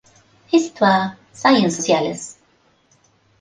Histoire, Sciences sociales".